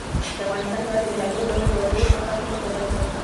د افغانستان هېواد له بېلابېلو ډولو وګړي څخه پوره ډک دی.